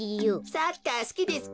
サッカーすきですか？